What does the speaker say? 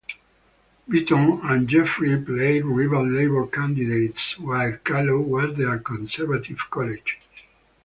Beaton and Jaffrey played rival Labour candidates while Callow was their Conservative colleague.